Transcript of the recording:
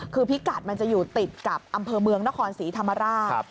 คือพิกัดมันจะอยู่ติดกับอำเภอเมืองนครศรีธรรมราช